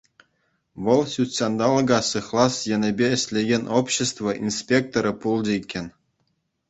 Вӑл ҫутҫанталӑка сыхлас енӗпе ӗҫлекен общество инспекторӗ пулчӗ иккен.